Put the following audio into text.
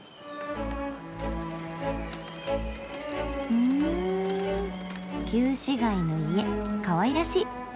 ふん旧市街の家かわいらしい。